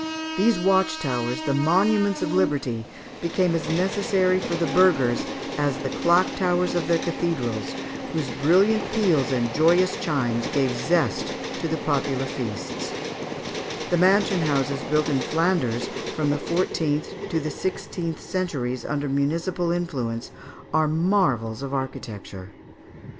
These watch towers, the monuments of liberty, became as necessary for the burghers as the clock towers of their cathedrals, whose brilliant peals and joyous chimes gave zest to the popular feasts (Fig. 37). The mansion houses built in Flanders from the fourteenth to the sixteenth centuries, under municipal influence, are marvels of architecture. [Illustration: Fig. 37. Chimes of the Clock of St. Lambert of Liége.